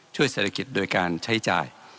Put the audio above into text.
ช่วยเศรษฐกิจโดยการใช้จ่าย